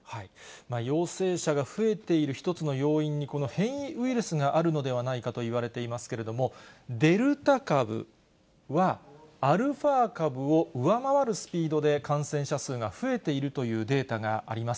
陽性者が増えている一つの要因に、この変異ウイルスがあるのではないかといわれていますけれども、デルタ株は、アルファ株を上回るスピードで感染者数が増えているというデータがあります。